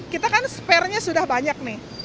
kita kan spare nya sudah banyak nih